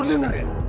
lo denger ya